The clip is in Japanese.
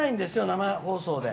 生放送で。